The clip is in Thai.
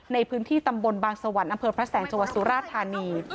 ในพื้นที่ตำบลบางสวรรค์อำเภอพระแสงจังหวัดสุราธานี